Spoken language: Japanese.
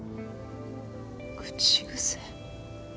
口癖？